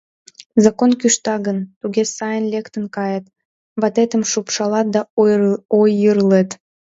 Закон кӱшта гын, туге сайын лектын кает, ватетым шупшалат да ойырлет...